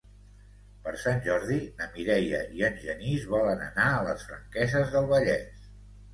Per Sant Jordi na Mireia i en Genís volen anar a les Franqueses del Vallès.